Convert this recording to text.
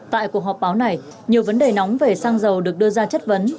tại cuộc họp báo này nhiều vấn đề nóng về xăng dầu được đưa ra chất vấn